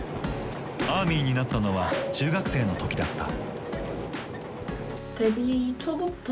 アーミーになったのは中学生の時だった。